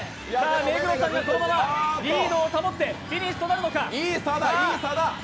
目黒さんがそのままリードを保ってフィニッシュとなるのか。